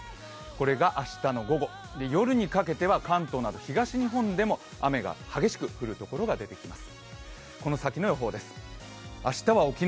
これが明日の午後、夜にかけては関東など東日本でも雨が激しく降るところが出てきます。